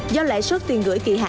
do lãi suất tiền gửi kỳ hạn